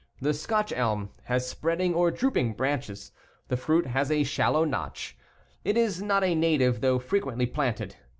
The Scotch elm has spreading or drooping branches. The fruit has a shallow notch. It is not a native though frequently planted.